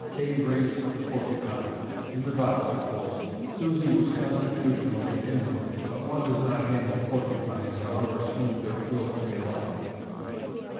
Kay raised the porcupine; in the box, of course. Susie was constitutionally indolent, but one does not handle porcupines, however smooth their quills may lie.